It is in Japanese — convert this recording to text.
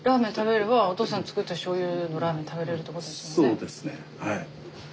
そうですねはい。